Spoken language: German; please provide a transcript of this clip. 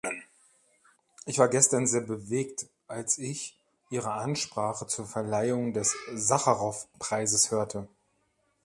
Ich war gestern sehr bewegt, als ich Ihre Ansprache zur Verleihung des Sacharow-Preises hörte.